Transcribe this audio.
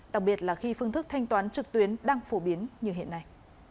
đặc biệt là khi phương thức thanh toán trực tuyến đang phổ biến như hiện nay